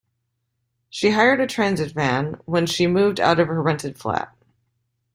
She hired a transit van when she moved out of her rented flat